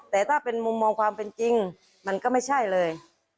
แต่ถ้าเป็นมุมมองความเป็นจริงมันก็ไม่ใช่เลย